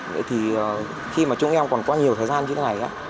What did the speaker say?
vậy thì khi mà chúng em còn qua nhiều thời gian như thế này